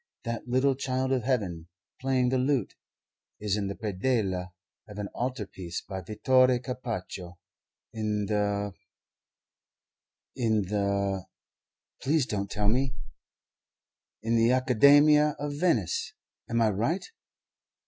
That little child of Heaven, playing the lute, is in the predella of an altar piece by Vittore Carpaccio in the in the please don't tell me in the Academia of Venice. Am I right?"